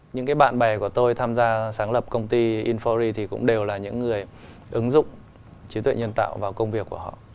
những cái bạn bè của tôi tham gia sáng lập công ty infori thì cũng đều là những người ứng dụng trí tuệ nhân tạo vào công việc của họ